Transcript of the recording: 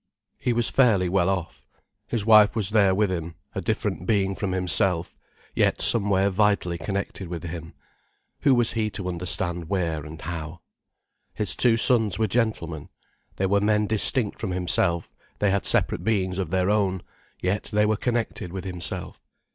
He was fairly well off. His wife was there with him, a different being from himself, yet somewhere vitally connected with him:—who was he to understand where and how? His two sons were gentlemen. They were men distinct from himself, they had separate beings of their own, yet they were connected with himself.